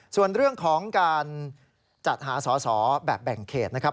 ส่วนเรื่องของการจัดหาสอสอแบบแบ่งเขตนะครับ